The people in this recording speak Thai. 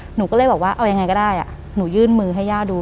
หนูก็เลยบอกว่าเอายังไงก็ได้หนูยื่นมือให้ย่าดู